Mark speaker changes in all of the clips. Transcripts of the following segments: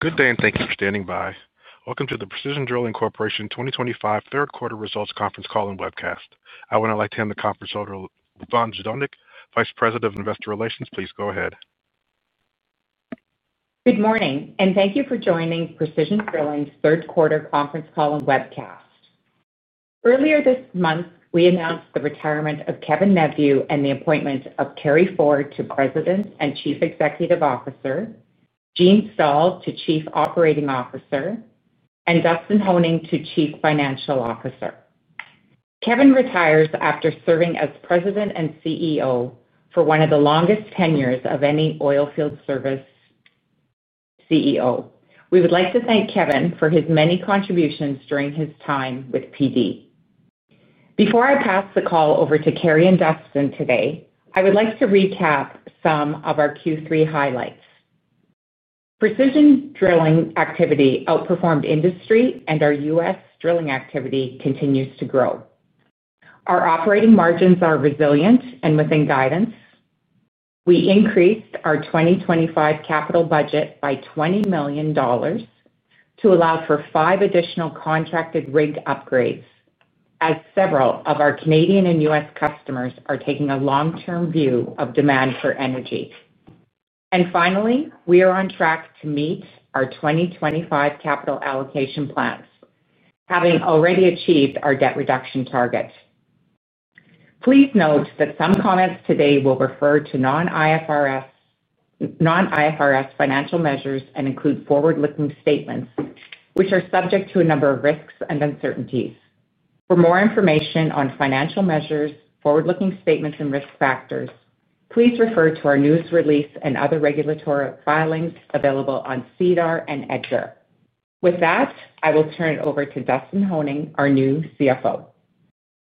Speaker 1: Good day and thanks for standing by. Welcome to the Precision Drilling Corporation 2025 third quarter results conference call and webcast. I would now like to hand the conference over to Lavonne Zdunich, Vice President of Investor Relations. Please go ahead.
Speaker 2: Good morning and thank you for joining Precision Drilling's third quarter conference call and webcast. Earlier this month, we announced the retirement of Kevin Neveu and the appointment of Carey Ford to President and Chief Executive Officer, Jean Stahl to Chief Operating Officer, and Dustin Honing to Chief Financial Officer. Kevin retires after serving as President and CEO for one of the longest tenures of any oilfield service CEO. We would like to thank Kevin for his many contributions during his time with Precision Drilling. Before I pass the call over to Carey and Dustin today, I would like to recap some of our Q3 highlights. Precision Drilling activity outperformed industry, and our U.S. drilling activity continues to grow. Our operating margins are resilient and within guidance. We increased our 2025 capital budget by $20 million to allow for five additional contracted rig upgrades, as several of our Canadian and U.S. customers are taking a long-term view of demand for energy. Finally, we are on track to meet our 2025 capital allocation plans, having already achieved our debt reduction target. Please note that some comments today will refer to non-IFRS financial measures and include forward-looking statements, which are subject to a number of risks and uncertainties. For more information on financial measures, forward-looking statements, and risk factors, please refer to our news release and other regulatory filings available on SEDAR and EDGAR. With that, I will turn it over to Dustin Honing, our new CFO.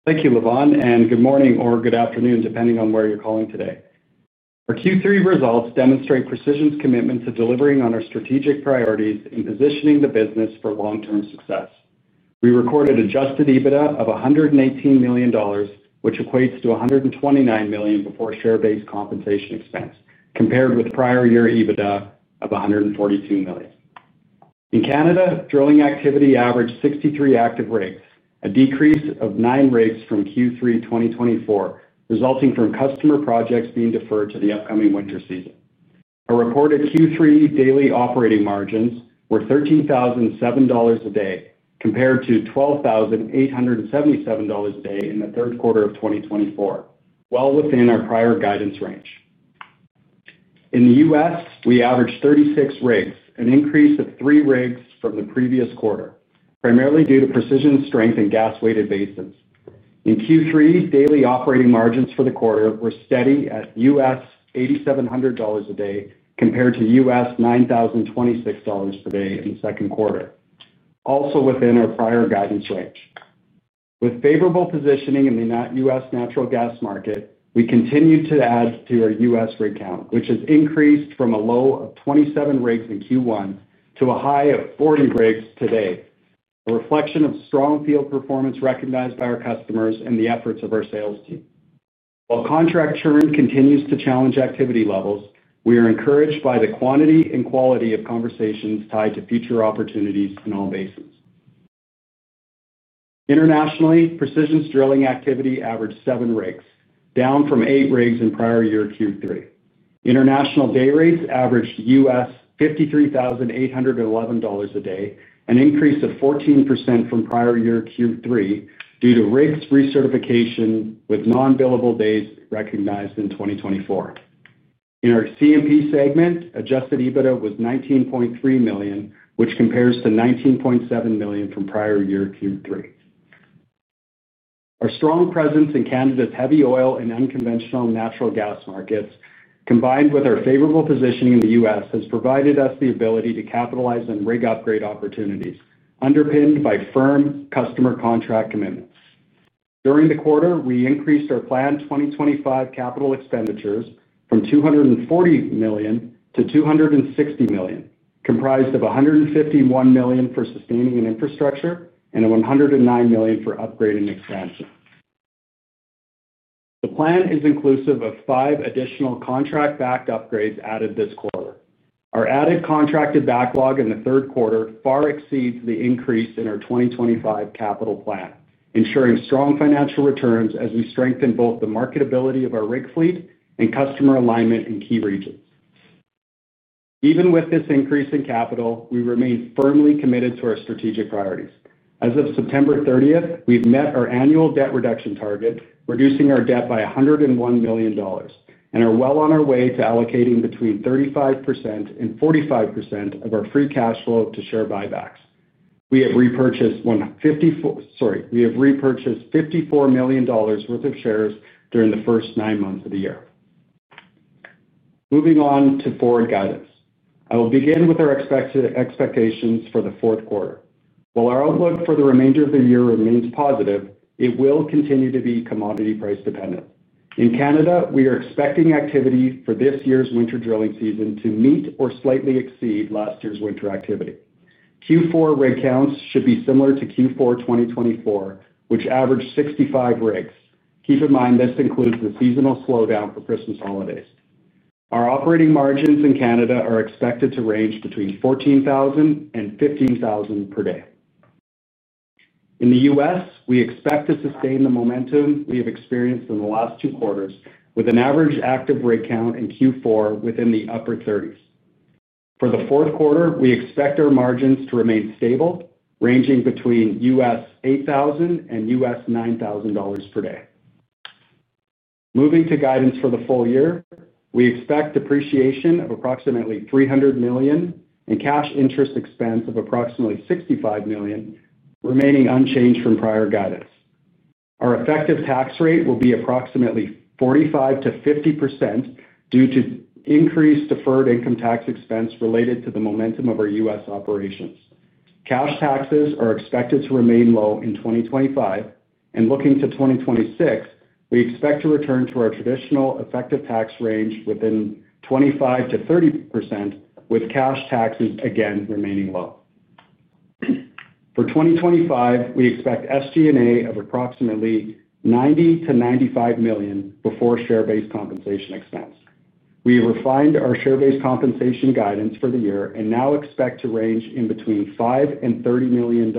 Speaker 3: Thank you, Lavonne, and good morning or good afternoon, depending on where you're calling today. Our Q3 results demonstrate Precision's commitment to delivering on our strategic priorities in positioning the business for long-term success. We recorded an adjusted EBITDA of $118 million, which equates to $129 million before share-based compensation expense, compared with prior year EBITDA of $142 million. In Canada, drilling activity averaged 63 active rigs, a decrease of 9 rigs from Q3 2023, resulting from customer projects being deferred to the upcoming winter season. Our reported Q3 daily operating margins were $13,007 a day, compared to $12,877 a day in the third quarter of 2023, well within our prior guidance range. In the U.S., we averaged 36 rigs, an increase of 3 rigs from the previous quarter, primarily due to Precision's strength in gas-weighted basins. In Q3, daily operating margins for the quarter were steady at U.S. $8,700 a day, compared to U.S. $9,026 per day in the second quarter, also within our prior guidance range. With favorable positioning in the U.S. natural gas market, we continued to add to our U.S. rig count, which has increased from a low of 27 rigs in Q1 to a high of 40 rigs today, a reflection of strong field performance recognized by our customers and the efforts of our sales team. While contract churn continues to challenge activity levels, we are encouraged by the quantity and quality of conversations tied to future opportunities in all basins. Internationally, Precision's drilling activity averaged 7 rigs, down from 8 rigs in prior year Q3. International day rates averaged U.S. $53,811 a day, an increase of 14% from prior year Q3 due to rigs recertification with non-billable days recognized in 2023. In our CMP segment, adjusted EBITDA was $19.3 million, which compares to $19.7 million from prior year Q3. Our strong presence in Canada's heavy oil and unconventional natural gas markets, combined with our favorable positioning in the U.S., has provided us the ability to capitalize on rig upgrade opportunities, underpinned by firm customer contract commitments. During the quarter, we increased our planned 2025 capital expenditures from $240 million-$260 million, comprised of $151 million for sustaining and infrastructure and $109 million for upgrade and expansion. The plan is inclusive of five additional contract-backed upgrades added this quarter. Our added contracted backlog in the third quarter far exceeds the increase in our 2025 capital plan, ensuring strong financial returns as we strengthen both the marketability of our rig fleet and customer alignment in key regions. Even with this increase in capital, we remain firmly committed to our strategic priorities. As of September 30th, we've met our annual debt reduction target, reducing our debt by $101 million, and are well on our way to allocating between 35% and 45% of our free cash flow to share buybacks. We have repurchased $54 million worth of shares during the first nine months of the year. Moving on to forward guidance, I will begin with our expectations for the fourth quarter. While our outlook for the remainder of the year remains positive, it will continue to be commodity price dependent. In Canada, we are expecting activity for this year's winter drilling season to meet or slightly exceed last year's winter activity. Q4 rig counts should be similar to Q4 2024, which averaged 65 rigs. Keep in mind this includes the seasonal slowdown for Christmas holidays. Our operating margins in Canada are expected to range between $14,000 and $15,000 per day. In the U.S., we expect to sustain the momentum we have experienced in the last two quarters, with an average active rig count in Q4 within the upper 30s. For the fourth quarter, we expect our margins to remain stable, ranging between U.S. $8,000 and U.S. $9,000 per day. Moving to guidance for the full year, we expect depreciation of approximately $300 million and cash interest expense of approximately $65 million, remaining unchanged from prior guidance. Our effective tax rate will be approximately 45%-50% due to increased deferred income tax expense related to the momentum of our U.S. operations. Cash taxes are expected to remain low in 2025, and looking to 2026, we expect to return to our traditional effective tax range within 25%-30%, with cash taxes again remaining low. For 2025, we expect SG&A of approximately $90 million-$95 million before share-based compensation expense. We have refined our share-based compensation guidance for the year and now expect to range in between $5 and $30 million,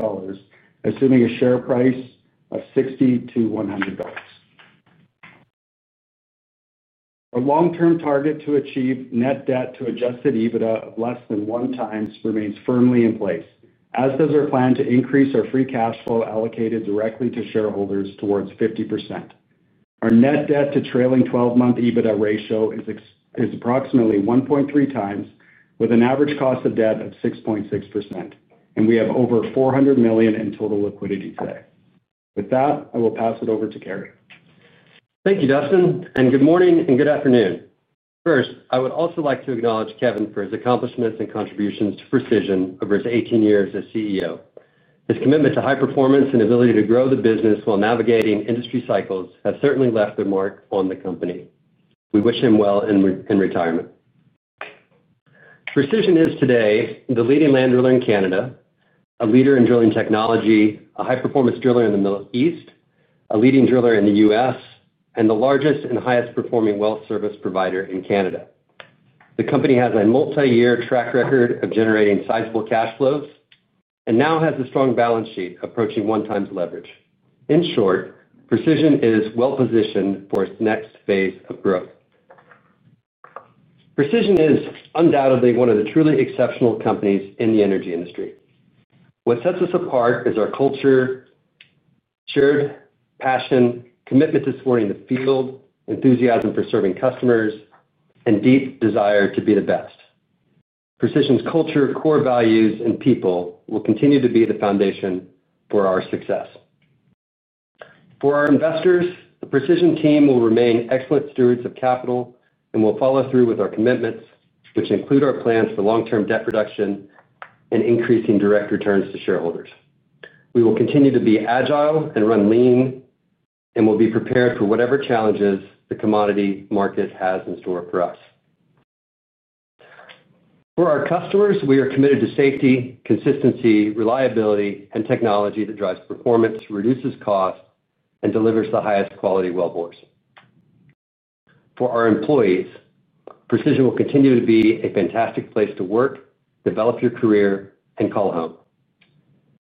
Speaker 3: assuming a share price of $60-$100. Our long-term target to achieve net debt to adjusted EBITDA of less than one times remains firmly in place, as does our plan to increase our free cash flow allocated directly to shareholders towards 50%. Our net debt to trailing 12-month EBITDA ratio is approximately 1.3 times, with an average cost of debt of 6.6%, and we have over $400 million in total liquidity today. With that, I will pass it over to Carey.
Speaker 4: Thank you, Dustin, and good morning and good afternoon. First, I would also like to acknowledge Kevin for his accomplishments and contributions to Precision over his 18 years as CEO. His commitment to high performance and ability to grow the business while navigating industry cycles has certainly left a mark on the company. We wish him well in retirement. Precision is today the leading land driller in Canada, a leader in drilling technology, a high-performance driller in the Middle East, a leading driller in the U.S., and the largest and highest performing well service provider in Canada. The company has a multi-year track record of generating sizable cash flows and now has a strong balance sheet approaching one-time's leverage. In short, Precision is well positioned for its next phase of growth. Precision is undoubtedly one of the truly exceptional companies in the energy industry. What sets us apart is our culture, shared passion, commitment to supporting the field, enthusiasm for serving customers, and deep desire to be the best. Precision's culture, core values, and people will continue to be the foundation for our success. For our investors, the Precision team will remain excellent stewards of capital and will follow through with our commitments, which include our plans for long-term debt reduction and increasing direct returns to shareholders. We will continue to be agile and run lean, and we'll be prepared for whatever challenges the commodity market has in store for us. For our customers, we are committed to safety, consistency, reliability, and technology that drives performance, reduces costs, and delivers the highest quality well bores. For our employees, Precision will continue to be a fantastic place to work, develop your career, and call home.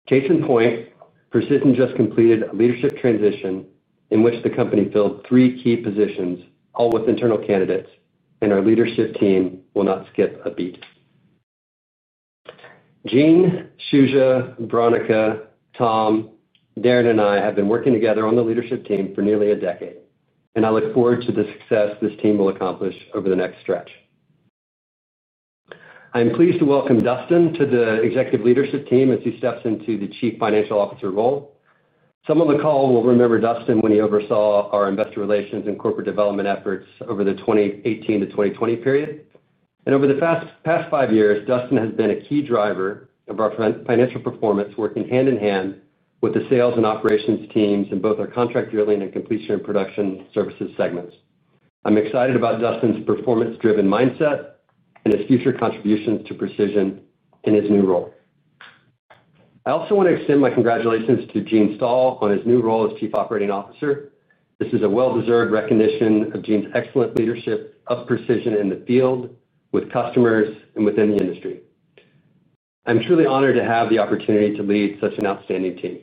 Speaker 4: Case in point, Precision just completed a leadership transition in which the company filled three key positions, all with internal candidates, and our leadership team will not skip a beat. Jean, Shuja, Veronica, Tom, Darren, and I have been working together on the leadership team for nearly a decade, and I look forward to the success this team will accomplish over the next stretch. I am pleased to welcome Dustin to the executive leadership team as he steps into the Chief Financial Officer role. Some on the call will remember Dustin when he oversaw our investor relations and corporate development efforts over the 2018 to 2020 period. Over the past five years, Dustin has been a key driver of our financial performance, working hand in hand with the sales and operations teams in both our contract drilling and completion and production services segments. I'm excited about Dustin's performance-driven mindset and his future contributions to Precision in his new role. I also want to extend my congratulations to Jean Stahl on his new role as Chief Operating Officer. This is a well-deserved recognition of Jean's excellent leadership of Precision in the field, with customers, and within the industry. I'm truly honored to have the opportunity to lead such an outstanding team.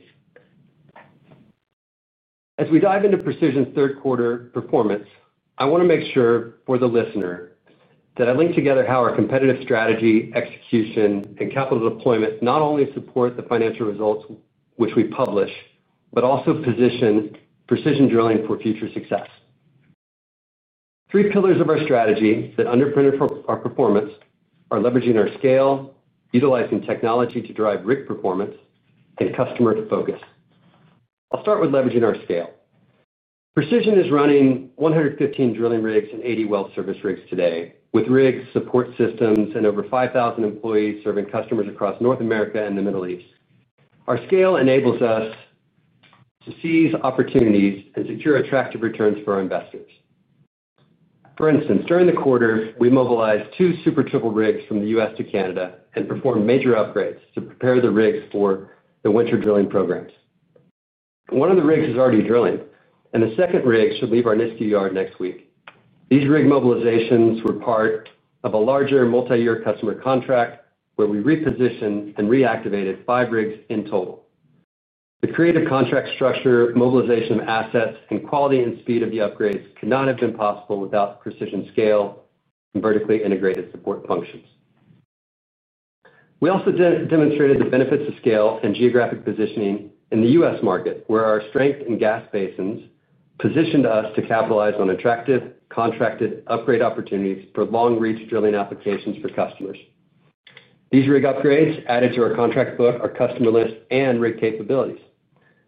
Speaker 4: As we dive into Precision's third quarter performance, I want to make sure for the listener that I link together how our competitive strategy, execution, and capital deployment not only support the financial results which we publish, but also position Precision Drilling for future success. Three pillars of our strategy that underpin our performance are leveraging our scale, utilizing technology to drive rig performance, and customer focus. I'll start with leveraging our scale. Precision is running 115 drilling rigs and 80 well service rigs today, with rig support systems and over 5,000 employees serving customers across North America and the Middle East. Our scale enables us to seize opportunities and secure attractive returns for our investors. For instance, during the quarter, we mobilized two super triple rigs from the U.S. to Canada and performed major upgrades to prepare the rigs for the winter drilling programs. One of the rigs is already drilling, and the second rig should leave our NISTU yard next week. These rig mobilizations were part of a larger multi-year customer contract where we repositioned and reactivated five rigs in total. The creative contract structure, mobilization of assets, and quality and speed of the upgrades could not have been possible without Precision's scale and vertically integrated support functions. We also demonstrated the benefits of scale and geographic positioning in the U.S. market, where our strength in gas basins positioned us to capitalize on attractive contracted upgrade opportunities for long-reach drilling applications for customers. These rig upgrades added to our contract book, our customer list, and rig capabilities.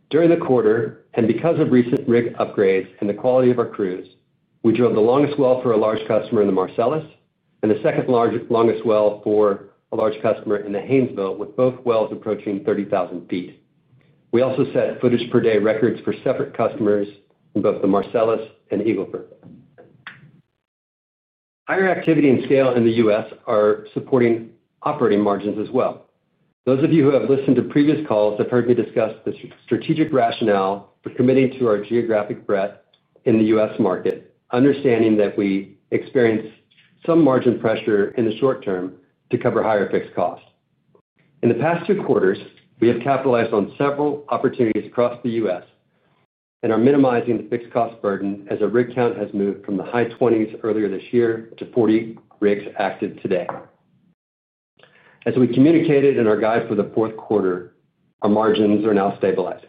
Speaker 4: During the quarter, and because of recent rig upgrades and the quality of our crews, we drilled the longest well for a large customer in the Marcellus and the second longest well for a large customer in the Haynesville, with both wells approaching 30,000 ft. We also set footage per day records for separate customers in both the Marcellus and Eagle Ford. Higher activity and scale in the U.S. are supporting operating margins as well. Those of you who have listened to previous calls have heard me discuss the strategic rationale for committing to our geographic breadth in the U.S. market, understanding that we experience some margin pressure in the short term to cover higher fixed costs. In the past two quarters, we have capitalized on several opportunities across the U.S. and are minimizing the fixed cost burden as our rig count has moved from the high 20s earlier this year to 40 rigs active today. As we communicated in our guide for the fourth quarter, our margins are now stabilized.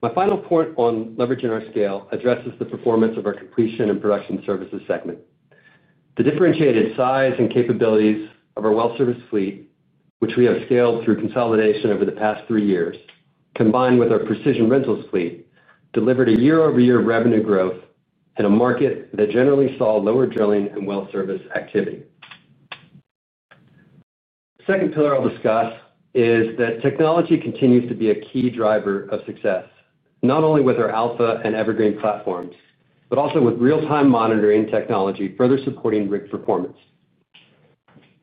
Speaker 4: My final point on leveraging our scale addresses the performance of our completion and production services segment. The differentiated size and capabilities of our well service fleet, which we have scaled through consolidation over the past three years, combined with our Precision rentals fleet, delivered a year-over-year revenue growth in a market that generally saw lower drilling and well service activity. The second pillar I'll discuss is that technology continues to be a key driver of success, not only with our Alpha and Evergreen platforms, but also with real-time monitoring technology further supporting rig performance.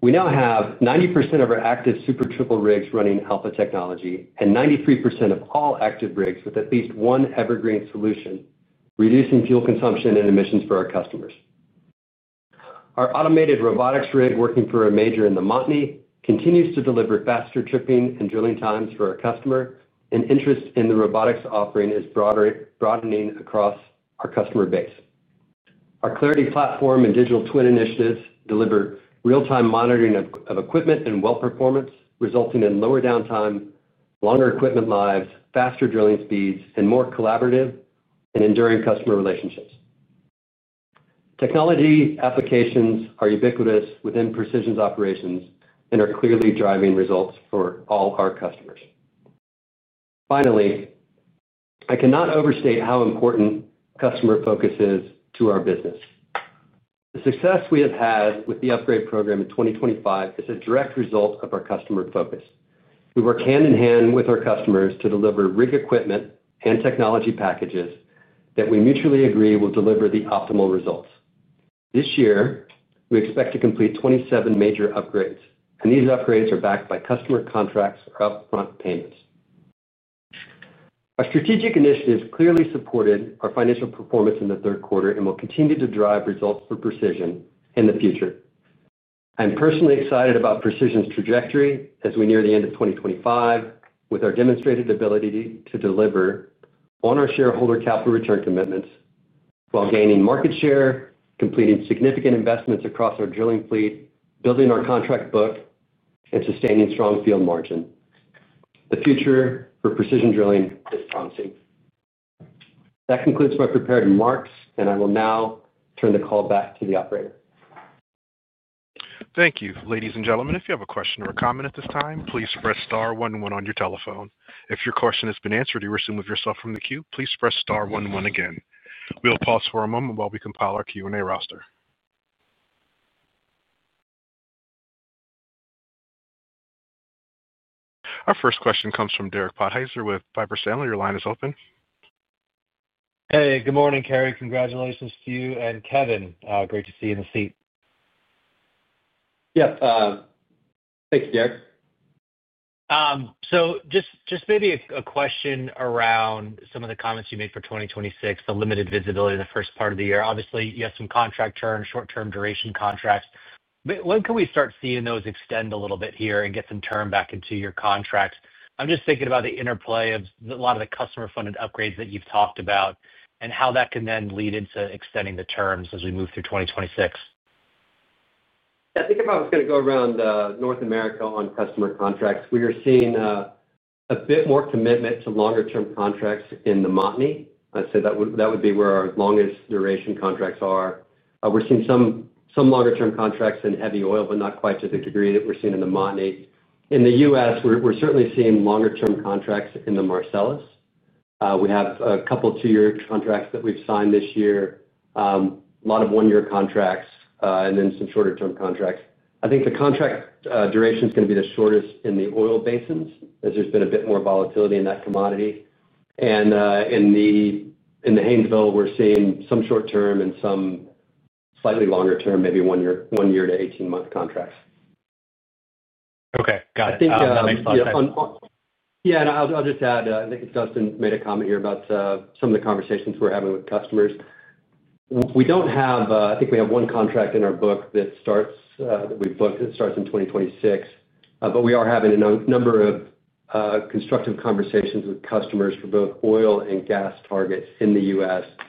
Speaker 4: We now have 90% of our active super triple rigs running Alpha technology and 93% of all active rigs with at least one Evergreen solution, reducing fuel consumption and emissions for our customers. Our automated robotics rig working for a major in the Montney continues to deliver faster tripping and drilling times for our customer, and interest in the robotics offering is broadening across our customer base. Our Clarity platform and digital twin initiatives deliver real-time monitoring of equipment and well performance, resulting in lower downtime, longer equipment lives, faster drilling speeds, and more collaborative and enduring customer relationships. Technology applications are ubiquitous within Precision's operations and are clearly driving results for all our customers. Finally, I cannot overstate how important customer focus is to our business. The success we have had with the upgrade program in 2025 is a direct result of our customer focus. We work hand in hand with our customers to deliver rig equipment and technology packages that we mutually agree will deliver the optimal results. This year, we expect to complete 27 major upgrades, and these upgrades are backed by customer contracts for upfront payments. Our strategic initiatives clearly supported our financial performance in the third quarter and will continue to drive results for Precision in the future. I'm personally excited about Precision's trajectory as we near the end of 2025, with our demonstrated ability to deliver on our shareholder capital return commitments while gaining market share, completing significant investments across our drilling fleet, building our contract book, and sustaining strong field margin. The future for Precision Drilling is promising. That concludes my prepared remarks, and I will now turn the call back to the operator.
Speaker 1: Thank you. Ladies and gentlemen, if you have a question or a comment at this time, please press *11 on your telephone. If your question has been answered or you remove yourself from the queue, please press *11 again. We'll pause for a moment while we compile our Q&A roster. Our first question comes from Derek Podhaizer with Piper Sandler. Your line is open.
Speaker 5: Hey, good morning, Carey. Congratulations to you and Kevin. Great to see you in the seat.
Speaker 4: Thanks, Derek.
Speaker 5: Just maybe a question around some of the comments you made for 2026, the limited visibility of the first part of the year. Obviously, you have some contract term, short-term duration contracts. When can we start seeing those extend a little bit here and get some term back into your contracts? I'm just thinking about the interplay of a lot of the customer-funded upgrades that you've talked about and how that can then lead into extending the terms as we move through 2026.
Speaker 4: I think if I was going to go around North America on customer contracts, we are seeing a bit more commitment to longer-term contracts in the Montney. I'd say that would be where our longest duration contracts are. We're seeing some longer-term contracts in heavy oil, but not quite to the degree that we're seeing in the Montney. In the U.S., we're certainly seeing longer-term contracts in the Marcellus. We have a couple two-year contracts that we've signed this year, a lot of one-year contracts, and then some shorter-term contracts. I think the contract duration is going to be the shortest in the oil basins, as there's been a bit more volatility in that commodity. In the Haynesville, we're seeing some short-term and some slightly longer-term, maybe one year to 18-month contracts.
Speaker 5: Okay, got it. That makes a lot of sense.
Speaker 4: Yeah. I'll just add, I think it's Dustin who made a comment here about some of the conversations we're having with customers. We don't have, I think we have one contract in our book that we've booked that starts in 2026, but we are having a number of constructive conversations with customers for both oil and gas targets in the U.S. for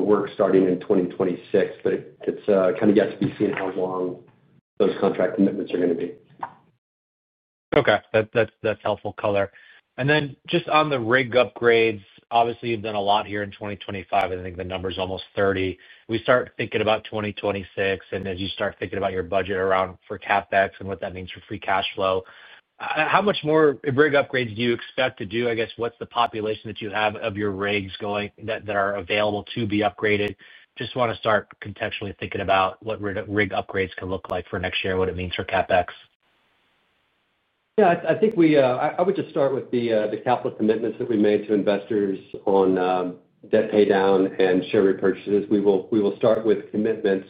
Speaker 4: work starting in 2026, but it's kind of yet to be seen how long those contract commitments are going to be.
Speaker 5: Okay. That's helpful Carey. Just on the rig upgrades, obviously, you've done a lot here in 2025. I think the number is almost 30. As you start thinking about 2026, and as you start thinking about your budget around for CapEx and what that means for free cash flow, how much more rig upgrades do you expect to do? I guess, what's the population that you have of your rigs going that are available to be upgraded? Just want to start contextually thinking about what rig upgrades can look like for next year and what it means for CapEx.
Speaker 4: Yeah. I think we, I would just start with the capital commitments that we made to investors on debt pay down and share repurchases. We will start with commitments,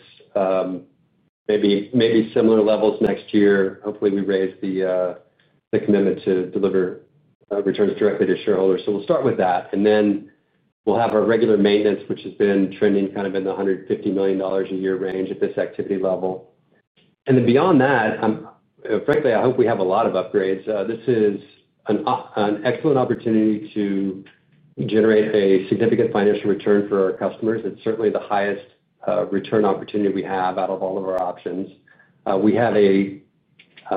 Speaker 4: maybe similar levels next year. Hopefully, we raise the commitment to deliver returns directly to shareholders. We'll start with that. Then we'll have our regular maintenance, which has been trending kind of in the $150 million a year range at this activity level. Beyond that, frankly, I hope we have a lot of upgrades. This is an excellent opportunity to generate a significant financial return for our customers. It's certainly the highest return opportunity we have out of all of our options. We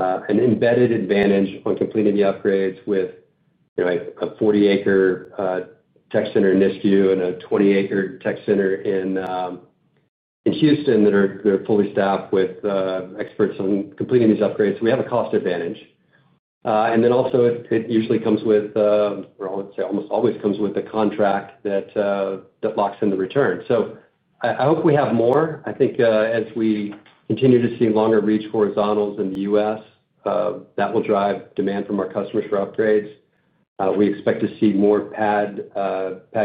Speaker 4: have an embedded advantage on completing the upgrades with a 40-acre tech center in NISTU and a 20-acre tech center in Houston that are fully staffed with experts on completing these upgrades. We have a cost advantage. It usually comes with, or I would say almost always comes with a contract that locks in the return. I hope we have more. I think as we continue to see longer reach horizontals in the U.S., that will drive demand from our customers for upgrades. We expect to see more pad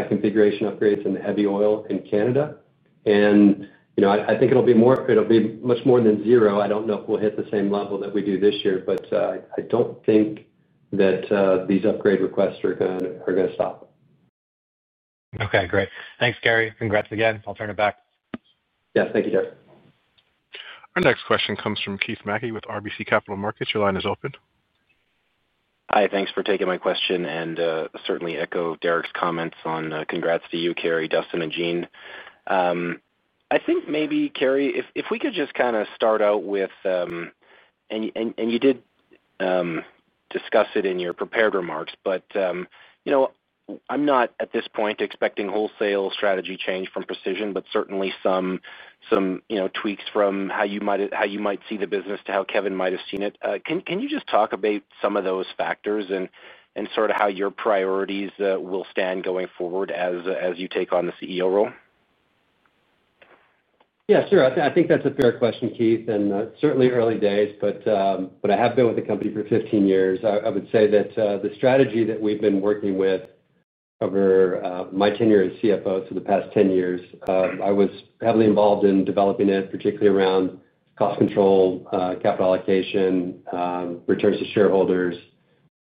Speaker 4: configuration upgrades in the heavy oil in Canada. I think it'll be more, it'll be much more than zero. I don't know if we'll hit the same level that we do this year, but I don't think that these upgrade requests are going to stop.
Speaker 5: Okay. Great. Thanks, Carey. Congrats again. I'll turn it back.
Speaker 4: Yes, thank you, Derek.
Speaker 1: Our next question comes from Keith MacKey with RBC Capital Markets. Your line is open.
Speaker 6: Hi. Thanks for taking my question and certainly echo Derek's comments on congrats to you, Carey, Dustin, and Jean. I think maybe, Carey, if we could just kind of start out with, and you did discuss it in your prepared remarks, but you know I'm not at this point expecting wholesale strategy change from Precision, but certainly some tweaks from how you might see the business to how Kevin might have seen it. Can you just talk about some of those factors and sort of how your priorities will stand going forward as you take on the CEO role?
Speaker 4: Yeah, sure. I think that's a fair question, Keith, and certainly early days, but I have been with the company for 15 years. I would say that the strategy that we've been working with over my tenure as CFO, so the past 10 years, I was heavily involved in developing it, particularly around cost control, capital allocation, returns to shareholders,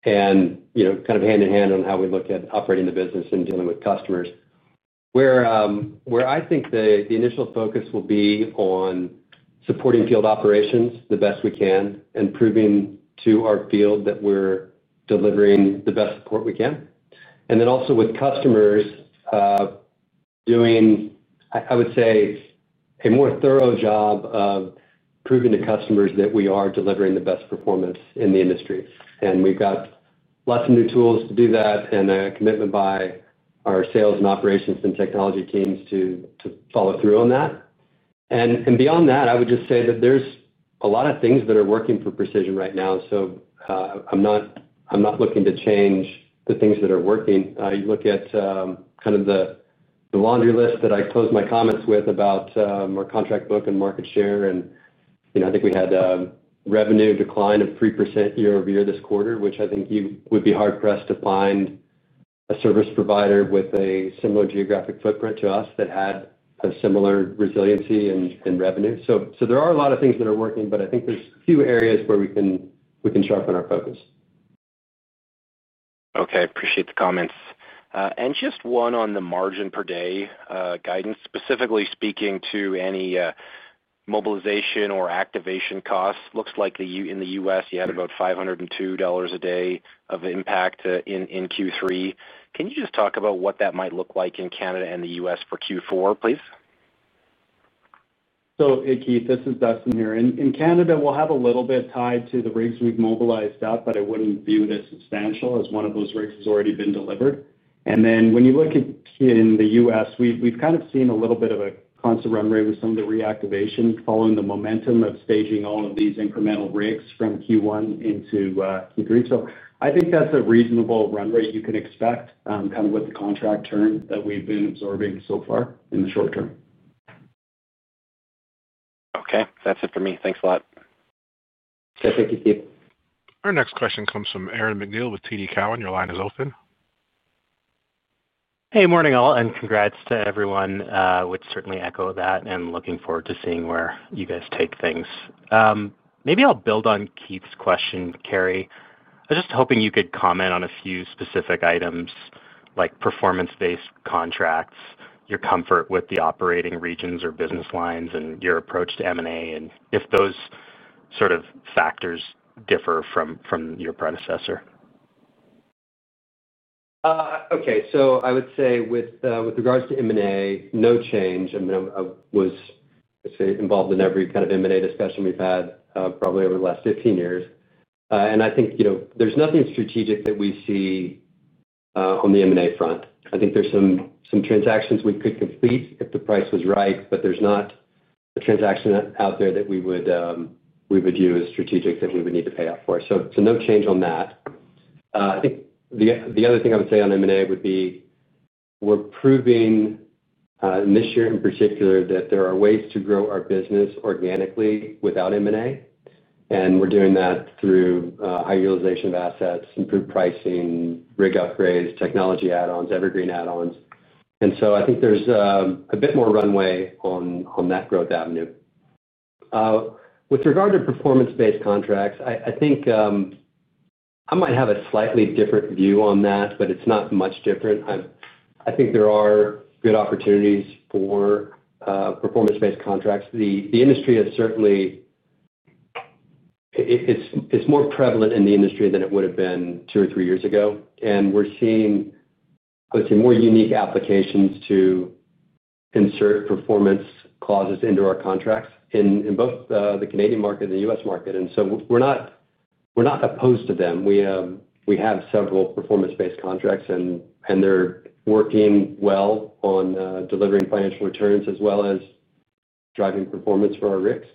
Speaker 4: and kind of hand in hand on how we look at operating the business and dealing with customers. Where I think the initial focus will be on supporting field operations the best we can and proving to our field that we're delivering the best support we can. Also with customers, doing, I would say, a more thorough job of proving to customers that we are delivering the best performance in the industry. We've got lots of new tools to do that and a commitment by our sales and operations and technology teams to follow through on that. Beyond that, I would just say that there's a lot of things that are working for Precision Drilling right now. I'm not looking to change the things that are working. You look at kind of the laundry list that I closed my comments with about our contract book and market share, and I think we had a revenue decline of 3% year over year this quarter, which I think you would be hard-pressed to find a service provider with a similar geographic footprint to us that had a similar resiliency in revenue. There are a lot of things that are working, but I think there's a few areas where we can sharpen our focus.
Speaker 6: Okay. Appreciate the comments. Just one on the margin per day guidance, specifically speaking to any mobilization or activation costs. Looks like in the U.S., you had about $502 a day of impact in Q3. Can you just talk about what that might look like in Canada and the U.S. for Q4, please?
Speaker 3: Keith, this is Dustin Honing. In Canada, we'll have a little bit tied to the rigs we've mobilized out, but I wouldn't view it as substantial as one of those rigs has already been delivered. When you look in the U.S., we've kind of seen a little bit of a constant run rate with some of the reactivation following the momentum of staging all of these incremental rigs from Q1 into Q3. I think that's a reasonable run rate you can expect kind of with the contract churn that we've been absorbing so far in the short term.
Speaker 6: Okay, that's it for me. Thanks a lot.
Speaker 3: Yeah, thank you, Keith.
Speaker 1: Our next question comes from Aaron MacNeil with TD Cowen. Your line is open.
Speaker 7: Hey, morning all, and congrats to everyone. I would certainly echo that and looking forward to seeing where you guys take things. Maybe I'll build on Keith's question, Carey. I was just hoping you could comment on a few specific items like performance-based contracts, your comfort with the operating regions or business lines, and your approach to M&A, and if those sort of factors differ from your predecessor.
Speaker 4: Okay. I would say with regards to M&A, no change. I was involved in every kind of M&A discussion we've had probably over the last 15 years. I think there's nothing strategic that we see on the M&A front. I think there are some transactions we could complete if the price was right, but there's not a transaction out there that we would view as strategic that we would need to pay up for. No change on that. The other thing I would say on M&A would be we're proving, in this year in particular, that there are ways to grow our business organically without M&A, and we're doing that through high utilization of assets, improved pricing, rig upgrades, technology add-ons, Evergreen add-ons. I think there's a bit more runway on that growth avenue. With regard to performance-based contracts, I might have a slightly different view on that, but it's not much different. I think there are good opportunities for performance-based contracts. The industry is certainly, it's more prevalent in the industry than it would have been two or three years ago. We're seeing more unique applications to insert performance clauses into our contracts in both the Canadian market and the U.S. market. We're not opposed to them. We have several performance-based contracts, and they're working well on delivering financial returns as well as driving performance for our rigs.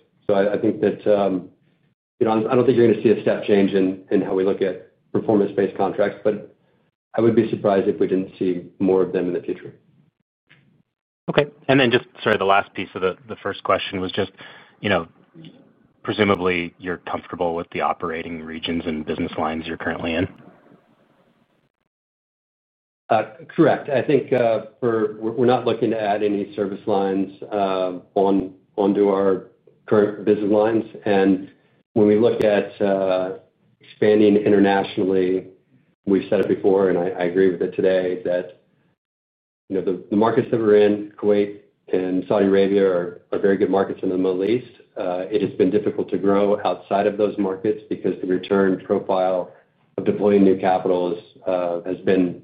Speaker 4: I don't think you're going to see a step change in how we look at performance-based contracts, but I would be surprised if we didn't see more of them in the future.
Speaker 7: Okay. Sorry, the last piece of the first question was just, you know, presumably, you're comfortable with the operating regions and business lines you're currently in?
Speaker 4: Correct. I think we're not looking to add any service lines onto our current business lines. When we look at expanding internationally, we've said it before, and I agree with it today, that the markets that we're in, Kuwait and Saudi Arabia, are very good markets in the Middle East. It has been difficult to grow outside of those markets because the return profile of deploying new capital has been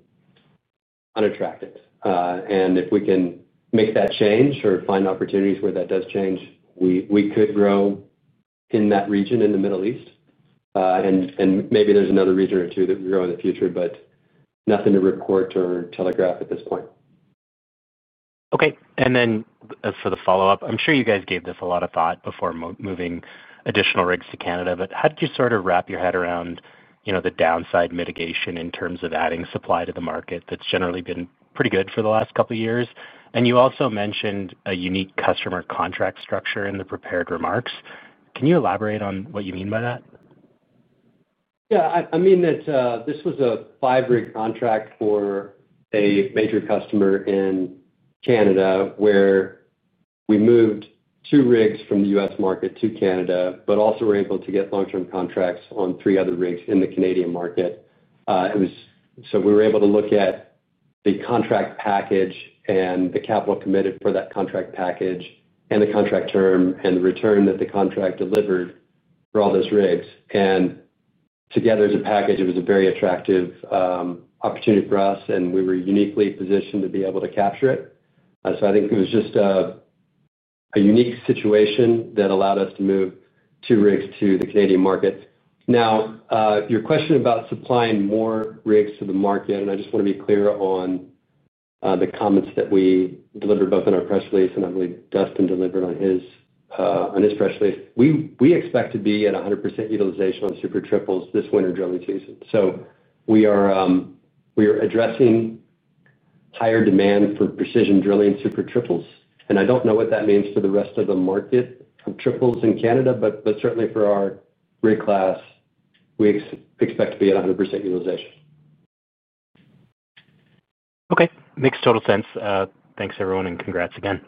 Speaker 4: unattractive. If we can make that change or find opportunities where that does change, we could grow in that region in the Middle East. Maybe there's another region or two that we grow in the future, but nothing to report or telegraph at this point.
Speaker 7: Okay. For the follow-up, I'm sure you guys gave this a lot of thought before moving additional rigs to Canada, but how did you sort of wrap your head around the downside mitigation in terms of adding supply to the market that's generally been pretty good for the last couple of years? You also mentioned a unique customer contract structure in the prepared remarks. Can you elaborate on what you mean by that?
Speaker 4: Yeah. I mean, this was a five-rig contract for a major customer in Canada where we moved two rigs from the U.S. market to Canada, but also were able to get long-term contracts on three other rigs in the Canadian market. We were able to look at the contract package and the capital committed for that contract package and the contract term and the return that the contract delivered for all those rigs. Together as a package, it was a very attractive opportunity for us, and we were uniquely positioned to be able to capture it. I think it was just a unique situation that allowed us to move two rigs to the Canadian market. Now, your question about supplying more rigs to the market, and I just want to be clear on the comments that we delivered both in our press release and I believe Dustin delivered on his press release. We expect to be at 100% utilization on the super triples this winter drilling season. We are addressing higher demand for Precision Drilling super triples. I don't know what that means for the rest of the market of triples in Canada, but certainly for our rig class, we expect to be at 100% utilization.
Speaker 7: Okay. Makes total sense. Thanks, everyone, and congrats again.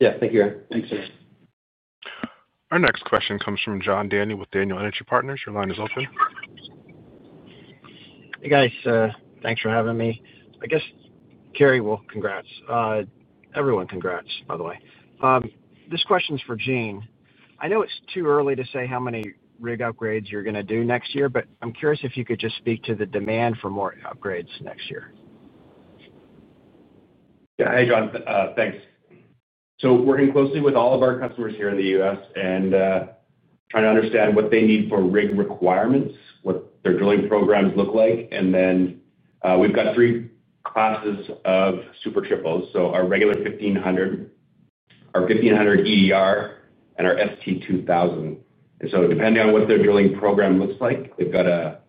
Speaker 4: Thank you, Aaron. Thanks, Aaron.
Speaker 1: Our next question comes from John Daniel with Daniel Energy Partners. Your line is open.
Speaker 8: Hey, guys. Thanks for having me. I guess Carey, well, congrats. Everyone, congrats, by the way. This question is for Jean. I know it's too early to say how many rig upgrades you're going to do next year, but I'm curious if you could just speak to the demand for more upgrades next year.
Speaker 4: Yeah. Hey, John. Thanks. We are working closely with all of our customers here in the U.S. and trying to understand what they need for rig requirements, what their drilling programs look like. We have three classes of super triples: our regular 1500, our 1500 EDR, and our ST2000. Depending on what their drilling program looks like, if they've got a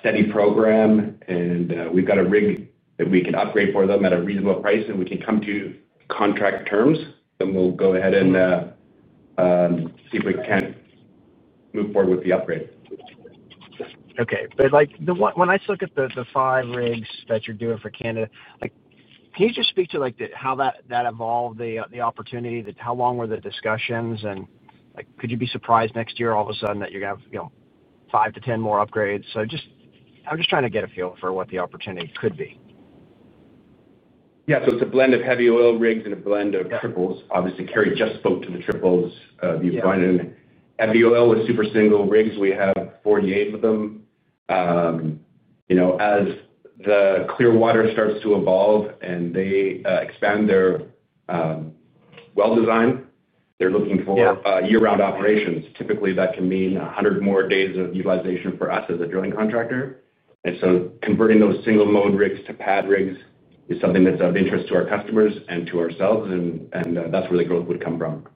Speaker 4: steady program and we've got a rig that we can upgrade for them at a reasonable price and we can come to contract terms, we will go ahead and see if we can move forward with the upgrade.
Speaker 8: Okay. When I look at the five rigs that you're doing for Canada, can you just speak to how that evolved, the opportunity, how long were the discussions? Could you be surprised next year all of a sudden that you're going to have 5 to 10 more upgrades? I'm just trying to get a feel for what the opportunity could be.
Speaker 4: Yeah. It's a blend of heavy oil rigs and a blend of triples. Obviously, Carey just spoke to the triples. The heavy oil is super single rigs. We have 48 of them. As the Clearwater starts to evolve and they expand their well design, they're looking for year-round operations. Typically, that can mean 100 more days of utilization for us as a drilling contractor. Converting those single mode rigs to pad rigs is something that's of interest to our customers and to ourselves, and that's where the growth would come from.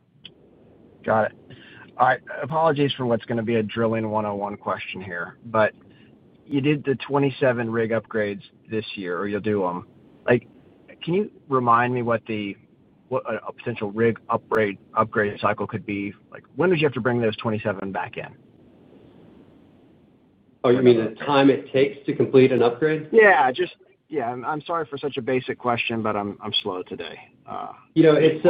Speaker 8: Got it. All right. Apologies for what's going to be a drilling 101 question here, but you did the 27 rig upgrades this year, or you'll do them. Can you remind me what a potential rig upgrade cycle could be? When would you have to bring those 27 back in?
Speaker 4: Oh, you mean the time it takes to complete an upgrade?
Speaker 8: Yeah. Just. I'm sorry for such a basic question, but I'm slow today. You know, it's.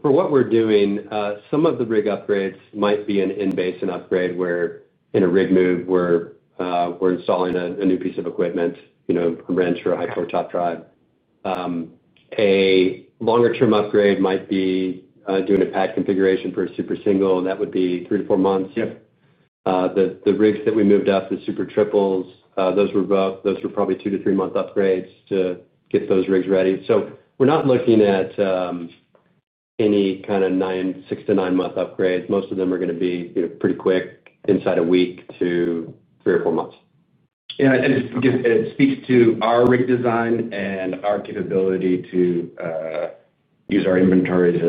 Speaker 4: For what we're doing, some of the rig upgrades might be an in-base and upgrade where in a rig move where we're installing a new piece of equipment, you know, a wrench or a high torque top drive. A longer-term upgrade might be doing a pad configuration for a super single. That would be three to four months. The rigs that we moved up, the super triples, those were both, those were probably two to three-month upgrades to get those rigs ready. We're not looking at any kind of six to nine-month upgrades. Most of them are going to be pretty quick, inside a week to three or four months. Yeah, it speaks to our rig design and our capability to use our inventories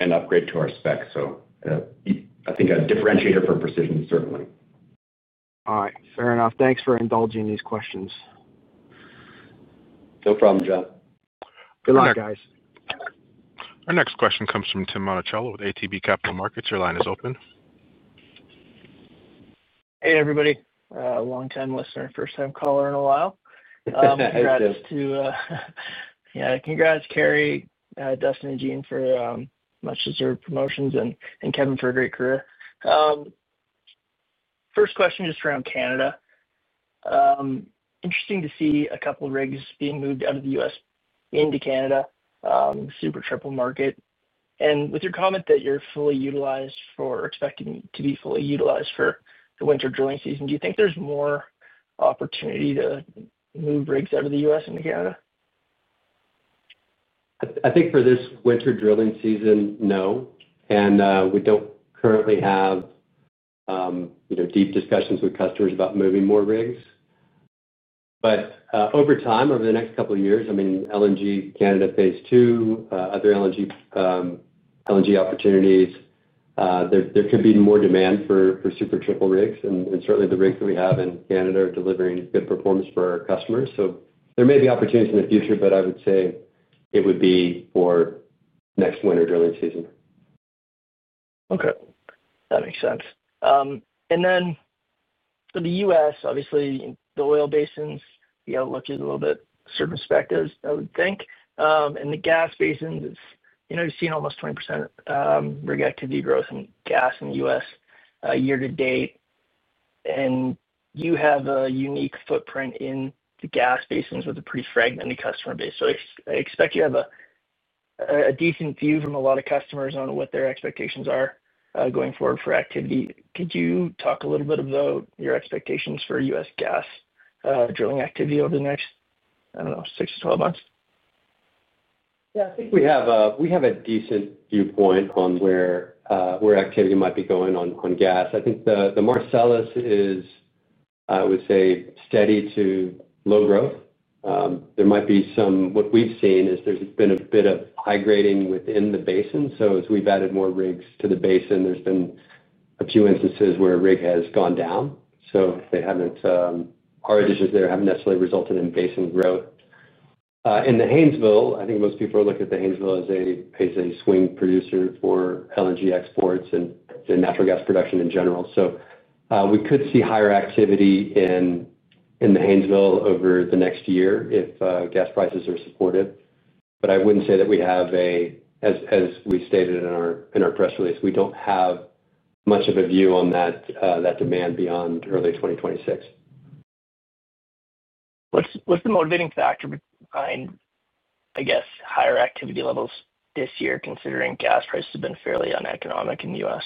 Speaker 4: and upgrade to our specs. I think a differentiator for Precision, certainly.
Speaker 8: All right. Fair enough. Thanks for indulging these questions.
Speaker 3: No problem, John.
Speaker 8: Good luck, guys.
Speaker 1: Our next question comes from Tim Monticello with ATB Capital Markets. Your line is open. Hey, everybody. Long-time listener, first-time caller in a while. Yeah, congrats. Yeah, congrats, Carey, Dustin, and Jean for much-deserved promotions and Kevin for a great career. First question just around Canada. Interesting to see a couple of rigs being moved out of the U.S. into Canada, super triple market. With your comment that you're fully utilized for or expecting to be fully utilized for the winter drilling season, do you think there's more opportunity to move rigs out of the U.S. into Canada?
Speaker 4: I think for this winter drilling season, no. We don't currently have deep discussions with customers about moving more rigs. Over time, over the next couple of years, LNG Canada phase two and other LNG opportunities could create more demand for super triple rigs. Certainly, the rigs that we have in Canada are delivering good performance for our customers. There may be opportunities in the future, but I would say it would be for next winter drilling season. Okay. That makes sense. For the U.S., obviously, the oil basins, the outlook is a little bit surface backed as I would think. The gas basins, you've seen almost 20% rig activity growth in gas in the U.S. year to date. You have a unique footprint in the gas basins with a pretty fragmented customer base. I expect you have a decent view from a lot of customers on what their expectations are going forward for activity. Could you talk a little bit about your expectations for U.S. gas drilling activity over the next, I don't know, 6 months-12 months? Yeah. I think we have a decent viewpoint on where activity might be going on gas. I think the Marcellus is, I would say, steady to low growth. There might be some, what we've seen is there's been a bit of high grading within the basin. As we've added more rigs to the basin, there's been a few instances where a rig has gone down. They haven't, our additions there haven't necessarily resulted in basin growth. In the Haynesville, I think most people look at the Haynesville as a swing producer for LNG exports and natural gas production in general. We could see higher activity in the Haynesville over the next year if gas prices are supportive. I wouldn't say that we have a, as we stated in our press release, we don't have much of a view on that demand beyond early 2026. What's the motivating factor behind, I guess, higher activity levels this year, considering gas prices have been fairly uneconomic in the U.S.?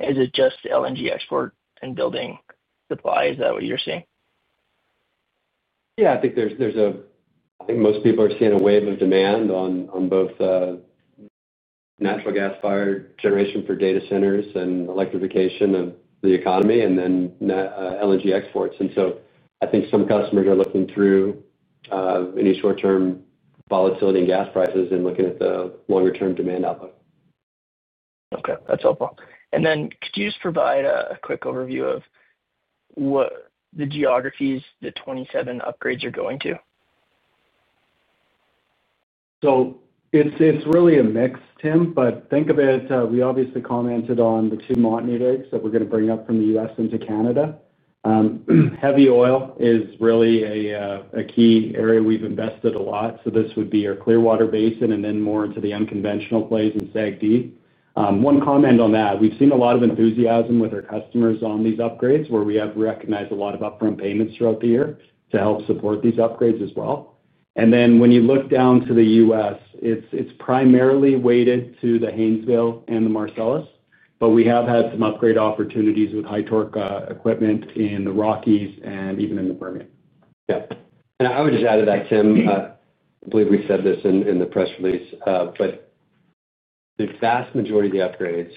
Speaker 4: Is it just LNG export and building supply? Is that what you're seeing? I think most people are seeing a wave of demand on both natural gas-fired generation for data centers and electrification of the economy, then LNG exports. I think some customers are looking through any short-term volatility in gas prices and looking at the longer-term demand outlook. Okay. That's helpful. Could you just provide a quick overview of what geographies the 27 upgrades are going to?
Speaker 3: It's really a mix, Tim, but think of it, we obviously commented on the two Montney rigs that we're going to bring up from the U.S. into Canada. Heavy oil is really a key area we've invested a lot. This would be our Clearwater basin and then more into the unconventional plays and SAGD. One comment on that, we've seen a lot of enthusiasm with our customers on these upgrades where we have recognized a lot of upfront payments throughout the year to help support these upgrades as well. When you look down to the U.S., it's primarily weighted to the Haynesville and the Marcellus, but we have had some upgrade opportunities with high-torque equipment in the Rockies and even in the Permian.
Speaker 4: Yeah. I would just add to that, Tim, I believe we said this in the press release, but the vast majority of the upgrades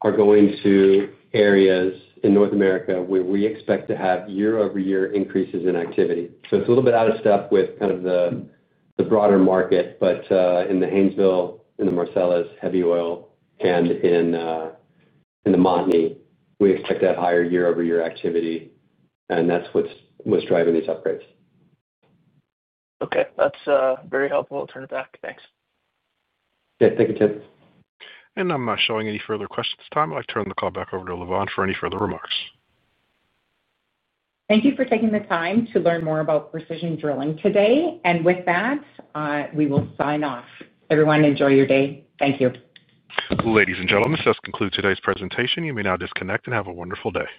Speaker 4: are going to areas in North America where we expect to have year-over-year increases in activity. It's a little bit out of step with kind of the broader market, but in the Haynesville, in the Marcellus, heavy oil, and in the Montney, we expect to have higher year-over-year activity, and that's what's driving these upgrades. Okay, that's very helpful. I'll turn it back. Thanks. Yeah, thank you, Tim.
Speaker 1: I'm not showing any further questions at this time. I'd like to turn the call back over to Lavonne for any further remarks.
Speaker 2: Thank you for taking the time to learn more about Precision Drilling today. With that, we will sign off. Everyone, enjoy your day. Thank you.
Speaker 1: Ladies and gentlemen, this does conclude today's presentation. You may now disconnect and have a wonderful day.